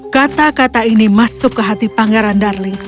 kata kata ini masuk ke hati pangeran darling